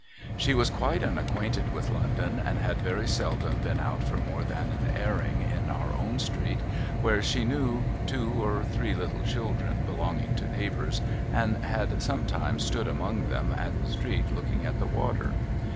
She was quite unacquainted with London and had very seldom been out for more than an airing in our own street where she knew two or three little children belonging to neighbours and had some times stood among them at the street looking at the water.